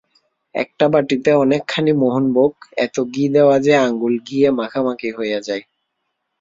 একটা বাটিতে অনেকখানি মোহনভোগ, এত ঘি দেওয়া যে আঙুলে ঘিয়ে মাখামাখি হইয়া যায়।